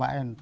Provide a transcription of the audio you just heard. lagi ya wnt